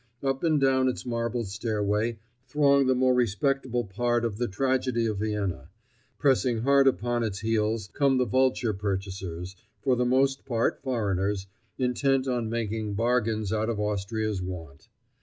Up and down its marble stairway throng the more respectable part of the tragedy of Vienna; pressing hard upon its heels come the vulture purchasers, for the most part foreigners, intent on making bargains out of Austria's want.